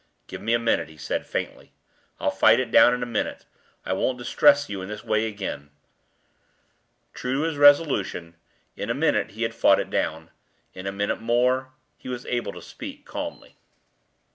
"Give me a minute," he said, faintly. "I'll fight it down in a minute; I won't distress you in this way again." True to his resolution, in a minute he had fought it down. In a minute more he was able to speak calmly.